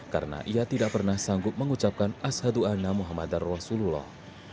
karena ia tidak pernah sanggup mengucapkan ashadu anna muhammadan rasulullah